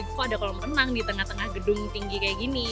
kok ada kolam renang di tengah tengah gedung tinggi kayak gini